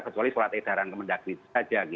kecuali surat edaran kemendagri saja